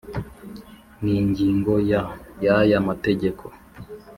N ingingo ya y aya mategeko